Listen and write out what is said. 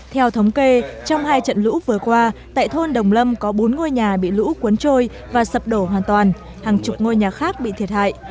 theo thống kê trong hai trận lũ vừa qua tại thôn đồng lâm có bốn ngôi nhà bị lũ cuốn trôi và sập đổ hoàn toàn hàng chục ngôi nhà khác bị thiệt hại